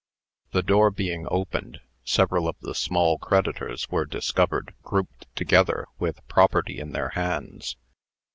The door being opened, several of the small creditors were discovered, grouped together, with property in their hands.